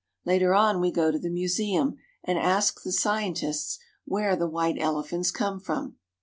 Later on we go to the museum and ask the scientists, where the white elephants come from.